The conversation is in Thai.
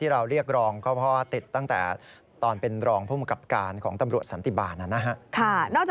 ค่ะนอกจากนี้เนี่ยพันตรวจโทรสันทนา